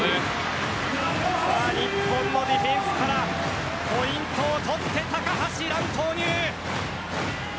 日本のディフェンスからポイントを取って高橋藍投入。